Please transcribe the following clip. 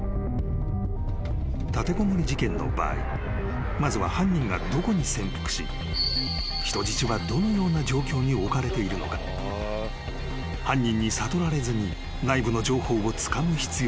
［立てこもり事件の場合まずは犯人がどこに潜伏し人質はどのような状況に置かれているのか犯人に悟られずに内部の情報をつかむ必要がある］